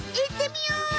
いってみよう！